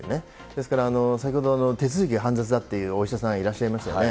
ですから、先ほど手続きが煩雑だって言うお医者さんいらっしゃいましたよね。